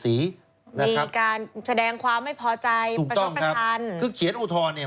มีการแสดงความไม่พอใจประชดประธาน